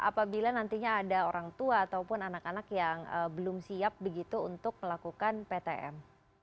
apabila nantinya ada orang tua ataupun anak anak yang belum siap begitu untuk melakukan ptm